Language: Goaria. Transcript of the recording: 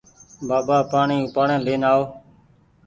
بآبآ پآڻيٚ اُپآڙين لين آئو